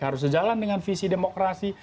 harus sejalan dengan visi demokrasi